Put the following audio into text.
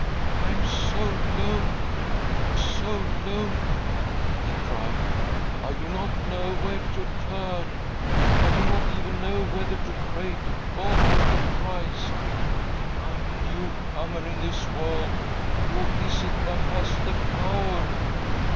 " I am so lonely, so lonely !" he cried. " I do not know where to turn. I do not even, know whether to pray to God or to Christ. I am a new comer in this world. Who is it that has the power